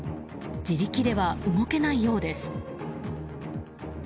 自力では動けないようです。